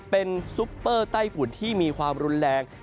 เป็นซุปเปอร์ไต้ฝุ่นที่มีความรุนแรง